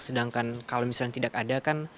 sedangkan kalau misalnya tidak ada kan